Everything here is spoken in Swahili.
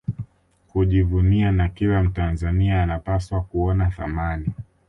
kujivunia na kila Mtanzania anapaswa kuona thamani